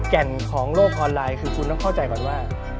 แก่นของโลกออนไลน์คือคุณต้องเข้าใจก่อนว่า